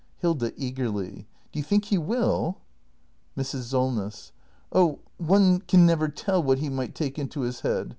Hilda. [Eagerly.] Do you think he will ? Mrs. Solness. Oh, one can never tell what he might take into his head.